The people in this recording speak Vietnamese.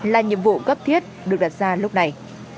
là nhiệm vụ cấp thiết được đặt ra lúc này